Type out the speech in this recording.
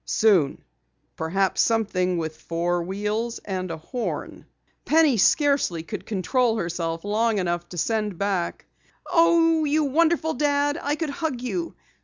"SOON. PERHAPS SOMETHING WITH FOUR WHEELS AND A HORN." Penny scarcely could control herself long enough to send back: "OH, YOU WONDERFUL DAD! I COULD HUG YOU!